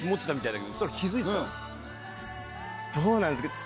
どうなんですかね